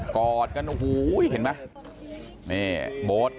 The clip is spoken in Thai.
กอดกันโอ้โหเห็นไหม